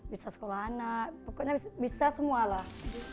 bisa sekolah anak pokoknya bisa semua lah